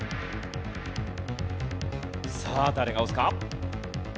さあ誰が押すか？